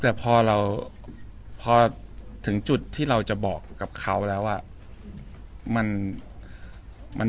แต่พอเราพอถึงจุดที่เราจะบอกกับเขาแล้ว